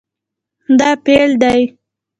دا فعل دی